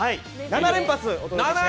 ７連発。